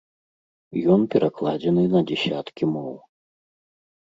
Ён перакладзены на дзясяткі моў.